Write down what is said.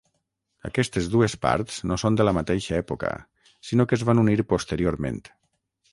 Aquestes dues parts no són de la mateixa època sinó que es van unir posteriorment.